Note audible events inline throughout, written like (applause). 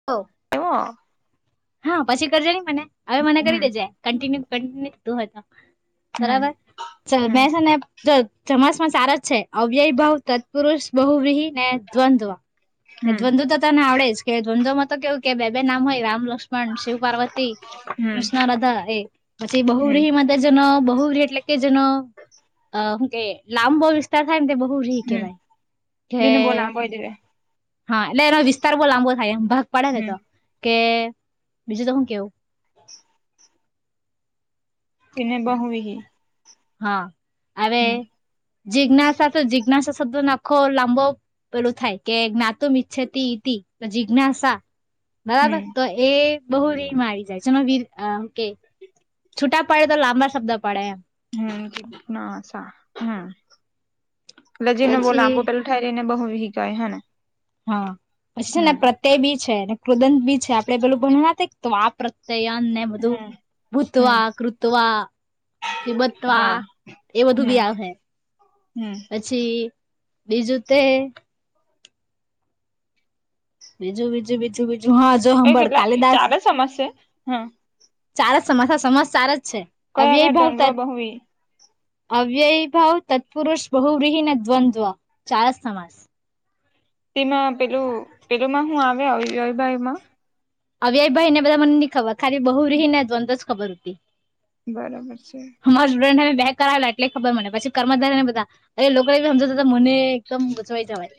અઓ એઉ અ હા પછી કરજે નઈ મને હવે મને કરી દે જે કન્ટિન્યુ કિન્યુું હતું હોય તો બરાબર ચલ મે છે ને જો જમાસ માં ચાર જ છે અવ્યય ભાવ તત્પુરુષ બહુવીહી ને દ્વંદ અને દ્વંદ તો તને આવડે જ કે દ્વંદમાં તો કેવું કે બે નામ હોય રામલક્ષ્ ક્ષ્મણ શિવ પાર્વતી કૃષ્ણ રાધા એ પછી બહુવ્રીહી માતો જેનો બહુરી એટલે કે જેનો અમ કે લાંબો વિસ્તાર થાય તે બવ બુઢી કેવાય ઢે હા એટલે એનો વિસ્તાર બહુ લાંબો થાય એમ ભાગ પડેને તો કે બીજું તો હું કેઉ? (unintelligible) તેને બહુ વીહી. હા અરે જિજ્ઞાસા તો જીજ્ઞાસા શબ્દ નાખો લાંબો. પેલું થાય કે જ્ઞાતુમ્ ઈચ્છતી ઈતી તો જીજ્ઞાસા હમ બરાબર તો એ બહુ રી મારી જાય છે ચનો વીર કે છૂટા પડે તો લાંબા શબ્દ પડે એમ. હમ્મ નાસા એટલે જેનો બો પછી લામ્બો પેલ થાય તેને બહુવિહી કહેવાય હેને? હા પછી છે હમ ને પ્રત્યય બી છે ને કૃદંત બી છે આપડે પેલું ભણેલા તે તો તો માત્ર તેયાન ને બધું હમ હમ ભૂત્વા, કૃતવા. પીબત્વા હા એ બધું બી આવહે. હમ્મ. પછી બીજું તે બીજું બીજું બીજું બીજું હા. જો એ સાંભળ કેટલા કાલિદાસ ચારે સમાસ છે? હમ્મ. સારા સમાસ સમાસ ચાર જ છે કયા અવ્યય કયા ભાવ ત દંડવા બહુવી અવ્યય ભાવ, તત્પુરષ, બહુવ્રિહીને, દ્વંદ્વ, ચાર જ સમાસ. તેમાં પેલું પેલુમાં હું આવે અવ્યયભાવમાં? અવ્યય ભાઈને બધા મને ની ખબર ખાલી બહુવ્રિહી ને દ્વંદ્વ ખબર ઉતી. બરાબર છે. અમારા સ્ટુડન્ટને મેં બે કરાવલા એટલે ખબર મને પછી કર્મધારયને બધાં. અરે લોકો એવું સમજાવતા મને એકદમ ગુચવાઈ જવાય.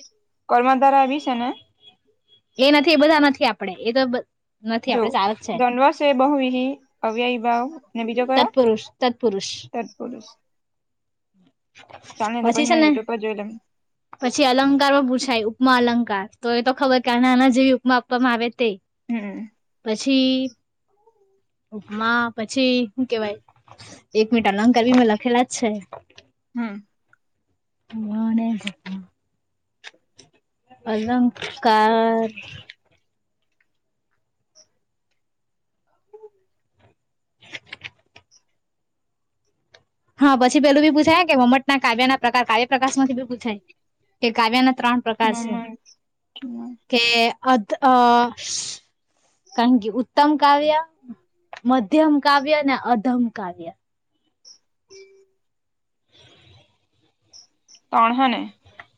કર્મધારય વી શેને? એ નથી એ બધાં નથી આપડે એતો બ જો દ્વંદ્વ શે બહુંવ્રિહી, અવ્યવભાવ. ને બીજો કયો તત્પુરુષ તત્પુરુષ તત્પુરૂષ. ચાલની એતો પછી છે પહી ને યુટ્યુબ પર જોઈલેમ. પછી અલંકાર હો પૂછાય, ઉપમા અલંકાર તો એ તો ખબર કે આને આના જેવી ઉપમા આપવામાં આવે તે. હમ્મ. પછી ઉપમા પછી હું કેવાય? એક મિનિટ અલંકાર બી મેં લખેલા જ છે. હમ્મ. હને. અલંકાર. હા પછી પેલું બી પૂછાય કે વમટના કાવ્યના પ્રકાર કાવ્ય પ્રકાશમાંથી બી પૂછાય કે કાવ્યના ત્રણ પ્રકાર શે કે અત અ ઉત્તમ કાવ્ય, મધ્યમ કાવ્ય અને અધમ કાવ્ય. હમ ત્રણ હને.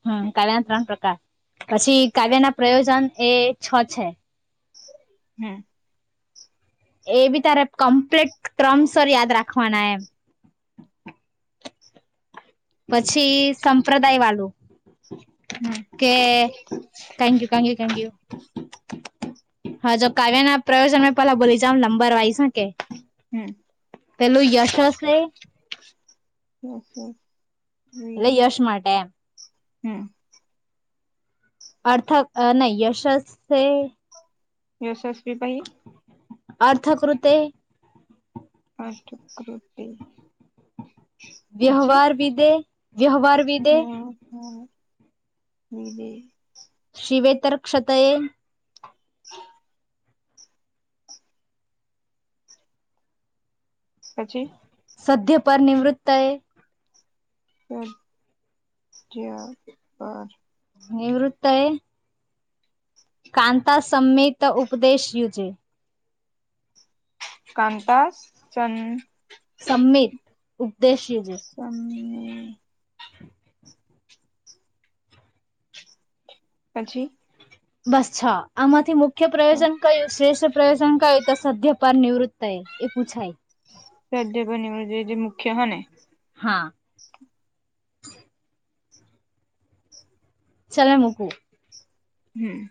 હમ્મ, કાવ્યના ત્રણ પ્રકાર પછી કાવ્યના પ્રયોજન એ છ છે. હમ્મ. એ બી તારે કમ્પ્લીટ ક્રમસર યાદ રાખવાના એમ. પછી સંપ્રદાયવાલુ હમ કે ક્યાં ગયું, ક્યાં ગયું, ક્યાં ગયું? હા જો કાવ્યના પ્રયોજન મેં પેલા બોલી જાવ નંબર વાઈશ હ કે. હમ પેલું યશસે હમ્મ એટલે યશ માટે એમ હમ્મ. અર્થ નહીં યશ સે. (unintelligible) પાહિ અર્થ કૃતે અર્થકૃતે. વ્યવહાર વિદે વ્યવહાર વિ વ્યવહાર વીદે. શિવેતર ક્ષતયે. (inaudible) પછી. સધ્ય પર નિવૃત્તએ. (unintelligible) નિવૃત્તતા એ કાન્તા સમમેત ઉપદેશ યુજે. કાન્તા (unintelligible) સમમીત ઉપદેશ યુજે. સંમિત પછી. બસ છા આમાંથી મુખ્ય પ્રયોજન કયું શ્રેષ્ઠ પ્રયોજન કયું હોય તો સધ્યપર નિવૃત્ત એ એ પૂછાય. સધ્યપર નિવૃત એ જે જે મુખ્ય હો ને. હા. ચાલને મૂકુ. હમ્મ.